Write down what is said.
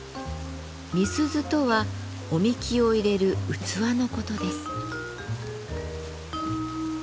瓶子とはお神酒を入れる器のことです。